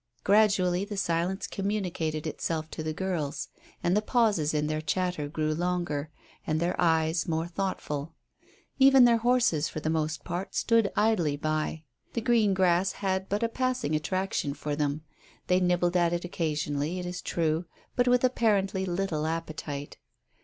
Gradually the silence communicated itself to the girls, and the pauses in their chatter grew longer and their eyes more thoughtful. Even their horses for the most part stood idly by. The green grass had but a passing attraction for them. They nibbled at it occasionally, it is true, but with apparently little appetite.